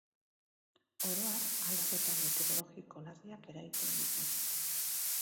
Oro har, aldaketa meteorologiko larriak eragiten ditu.